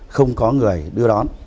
không có người đưa đón